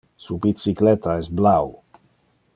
Su bicycletta es blau.